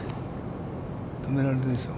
止められるでしょう。